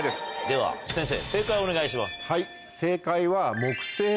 では先生正解をお願いします。